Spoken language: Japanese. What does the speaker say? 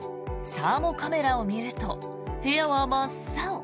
サーモカメラを見ると部屋は真っ青。